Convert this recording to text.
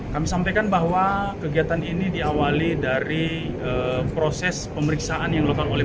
kami sampaikan bahwa kegiatan ini diawali dari proses pemeriksaan yang dilakukan oleh